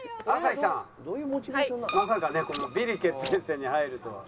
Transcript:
まさかねこのビリ決定戦に入るとは。